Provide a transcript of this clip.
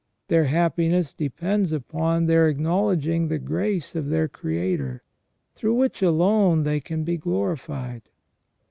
Their happiness depends upon their acknowledging the grace of their Creator, through which alone they can be glorified.